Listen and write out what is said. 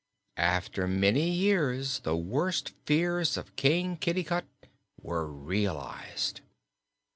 After many years the worst fears of King Kitticut were realized.